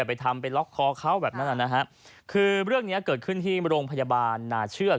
ไปทำไปล็อกคอเขาแบบนั้นนะฮะคือเรื่องเนี้ยเกิดขึ้นที่โรงพยาบาลนาเชือก